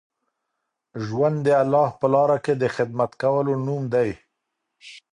ژوند د الله په لاره کي د خدمت کولو نوم دی.